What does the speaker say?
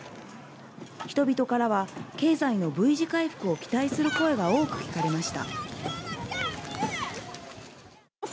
人々からは経済のＶ字回復を期待する声が多く聞かれました。